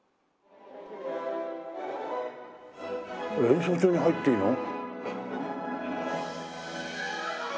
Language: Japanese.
練習中に入っていいの？